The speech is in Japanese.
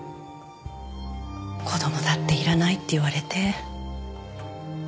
子供だっていらないって言われて。